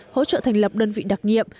hỗ trợ thành lập đơn vị đặc nhiệm